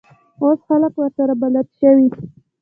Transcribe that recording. اوس خلک ورسره بلد شوي.